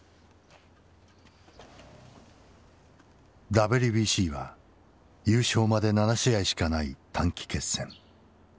ＷＢＣは優勝まで７試合しかない短期決戦。